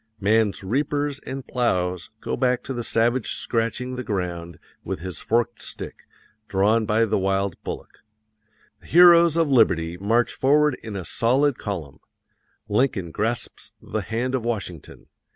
Man's reapers and plows go back to the savage scratching the ground with his forked stick, drawn by the wild bullock. The heroes of liberty march forward in a solid column. Lincoln grasps the hand of Washington.